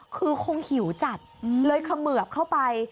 คือคงหิวจัดเลยเขมือบเข้าไป